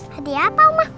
hadiah apa oma